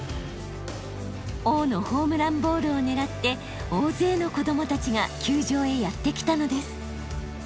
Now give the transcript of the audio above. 王のホームランボールを狙って大勢の子どもたちが球場へやって来たのです。